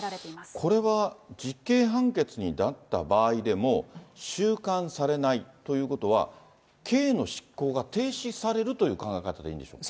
これは実刑判決になった場合でも、収監されないということは、刑の執行が停止されるという考え方でいいんでしょうか。